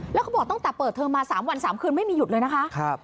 แล้วก็บอกตั้งแต่เปิดเทิมมาสามวันสามคืนไม่มีหยุดเลยนะคะครับ